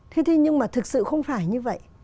thế thì nhưng mà thực sự không phải như vậy